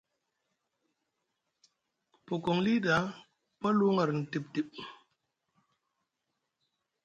Ku pokoŋ li ɗa ku pa luwuŋ arni tiɓ tiɓ,